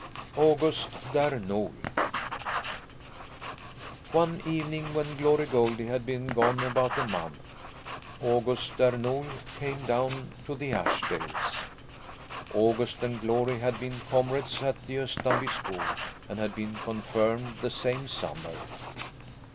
AUGUST DÄR NOL One evening, when Glory Goldie had been gone about a month, August Där Nol came down to the Ashdales. August and Glory had been comrades at the Östanby school and had been confirmed the same summer.